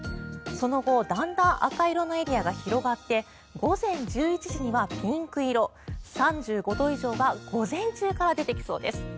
その後だんだん赤色のエリアが広がって午前１１時にはピンク色３５度以上が午前中から出てきそうです。